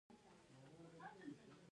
د هرات په ګلران کې د تیلو نښې شته.